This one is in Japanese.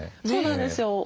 そうなんですよ。